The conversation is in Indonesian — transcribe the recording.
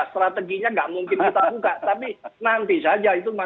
strateginya tidak mungkin kita buka